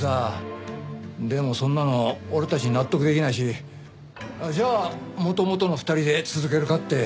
でもそんなの俺たち納得できないしじゃあ元々の２人で続けるかって。